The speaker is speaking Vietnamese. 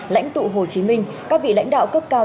lãnh tụ hồ chí minh các vị lãnh đạo cấp cao